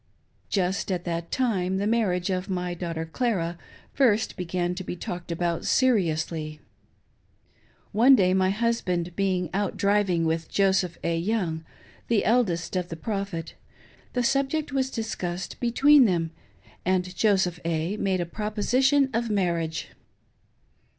Just at that time, the marriage of my daughter Clara first began to be talked about seriously. One day my husband being out driving with Joseph A. Young, the eldest son of the Prophet, the subject was discussed between them, and Joseph A. made a proposition of marriage.